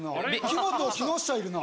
木本木下いるな。